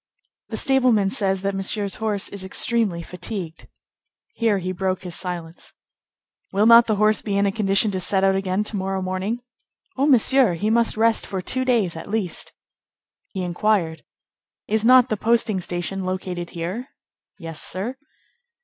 "The stableman says that Monsieur's horse is extremely fatigued." Here he broke his silence. "Will not the horse be in a condition to set out again to morrow morning?" "Oh, Monsieur! he must rest for two days at least." He inquired:— "Is not the posting station located here?" "Yes, sir."